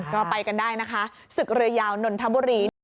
ก็ไปกันได้นะคะศึกเรือยาวนนทบุรีเนี่ย